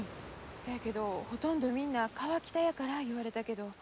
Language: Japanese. せやけど「ほとんどみんな河北やから」言われたけど。